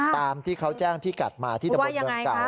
ตามที่เขาแจ้งที่กัดมาที่ตะบดดังกล่าว